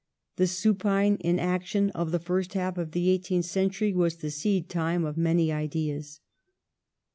The supine inaction of the first half of the eighteenth century was the seed time of many ideas.'